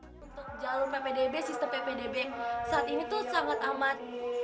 untuk jalur ppdb sistem ppdb saat ini tuh sangat amat